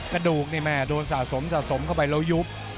กระดูกหน่อยโดนสาสมสายสมเข้าไปแล้วยุบ